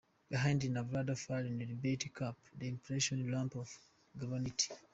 Behind Nevada Fall is Liberty Cap, an impressive lump of granite.